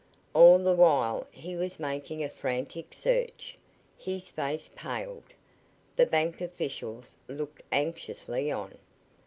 All the while he was making a frantic search. His face paled. The bank officials looked anxiously on.